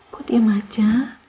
kau diam aja